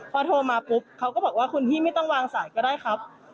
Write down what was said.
พอโทรมาปุ๊บเขาก็บอกว่าคุณพี่ไม่ต้องวางสายก็ได้ครับ